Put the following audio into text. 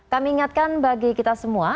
kami ingatkan bagi kita semua